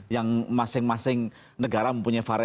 yang masing masing negara mempunyai